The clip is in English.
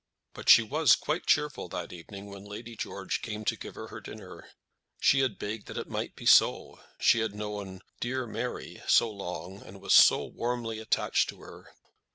But she was quite cheerful that evening when Lady George came up to give her her dinner. She had begged that it might be so. She had known "dear Mary" so long, and was so warmly attached to her.